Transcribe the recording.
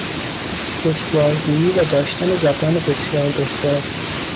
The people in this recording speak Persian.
دشوار گویی و داشتن زبان بسیار دشوار